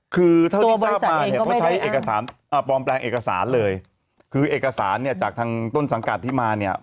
คือเท่านี้ทราบมาพอใช้เอกสารบริเวณแปลงเอกสารเลยคือเอกสารจากทางต้นสังกัดที่มาเนี่ย